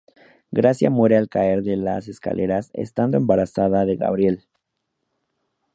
Gracia muere al caer de las escaleras, estando embarazada de Gabriel.